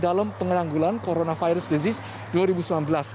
kedapatan dalam pengelanggulan coronavirus disease dua ribu sembilan belas